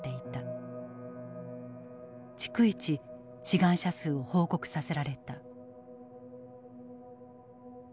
逐一志願者数を報告させられた。